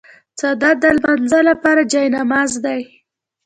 څادر د لمانځه لپاره جای نماز دی.